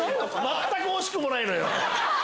全く惜しくもないのよ。